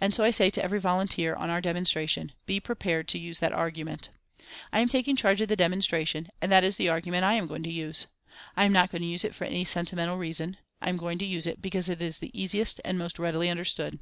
And so I say to every volunteer on our demonstration, 'Be prepared to use that argument.' I am taking charge of the demonstration, and that is the argument I am going to use. I am not going to use it for any sentimental reason, I am going to use it because it is the easiest and the most readily understood.